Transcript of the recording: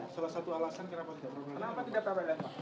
salah satu alasan kenapa tidak peradilan